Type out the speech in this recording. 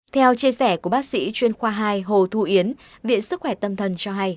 theo chia sẻ của bác sĩ chuyên khoa hai hồ thu yến viện sức khỏe tâm thần cho hay